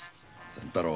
仙太郎。